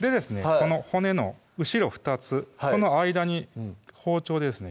この骨の後ろ２つこの間に包丁をですね